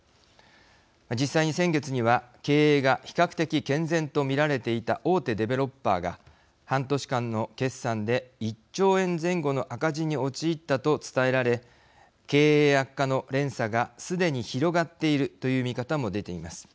実際に先月には経営が比較的健全と見られていた大手デベロッパーが半年間の決算で１兆円前後の赤字に陥ったと伝えられ経営悪化の連鎖がすでに広がっているという見方も出ています。